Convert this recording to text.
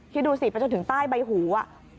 คิดดูสิไปจนถึงใต้ใบหูอ่ะ